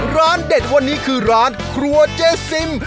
ร้านเด็ดวันนี้คือร้านครัวเจ๊ซิม